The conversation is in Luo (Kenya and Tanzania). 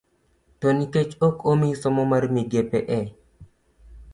To nikech ok omi somo mar migepe e